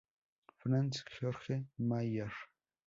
Franz Georg Maier.